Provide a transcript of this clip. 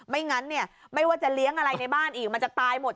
ไม่ว่าจะเลี้ยงอะไรในบ้านอีกมันจะตายหมด